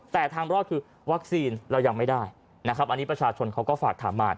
แต่ทางรอดคือวัคซีนเรายังไม่ได้นะครับอันนี้ประชาชนเขาก็ฝากถามมา